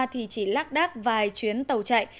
thì chỉ lắc đắc vài chuyến tàu chạy